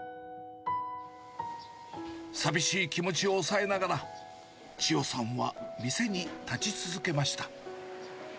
寂しい気持ちを抑えながら、千代さんは店に立ち続けました。